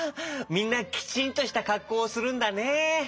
みんなきちんとしたかっこうをするんだね。